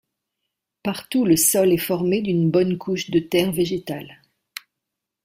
Partout le sol est formé d'une bonne couche de terre végétale.